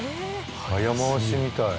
早回しみたい。